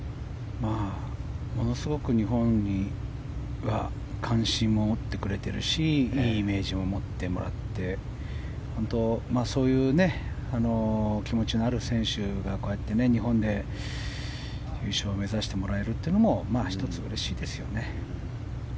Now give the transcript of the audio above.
ものすごく日本に関心を持ってくれているしいいイメージも持ってもらってそういう気持ちのある選手がこうやって日本で優勝を目指してもらえるのも１つ、うれしいですよね。